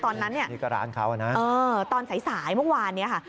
ตอนนั้นตอนสายเมื่อวานนี้ค่ะ